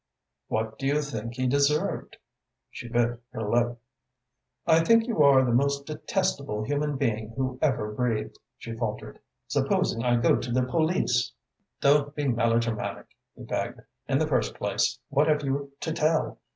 "What do you think he deserved?" She bit her lip. "I think you are the most detestable human being who ever breathed," she faltered. "Supposing I go to the police?" "Don't be melodramatic," he begged. "In the first place, what have you to tell?